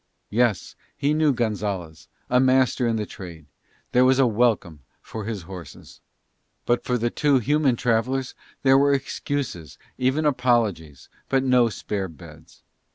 Yes, he knew Gonzalez, a master in the trade: there was a welcome for his horses. But for the two human travellers there were excuses, even apologies, but no spare beds.